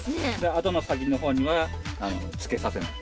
あとの先の方にはつけさせない。